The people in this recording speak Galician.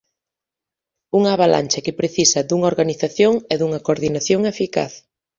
Unha avalancha que precisa dunha organización e dunha coordinación eficaz.